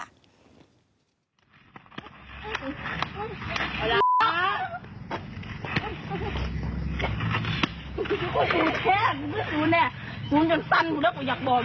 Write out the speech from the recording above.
โอ๊ยหยุดต้นแล้วตอนนี้